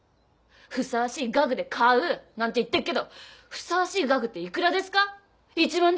「ふさわしい額で買う」なんて言ってっけどふさわしい額って幾らですか？